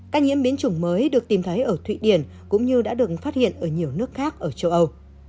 các nhiễm biến chủng mới được tìm thấy ở thụy điển cũng như đã được phát hiện ở nhiều nước khác ở châu âu